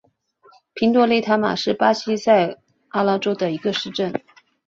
平多雷塔马是巴西塞阿拉州的一个市镇。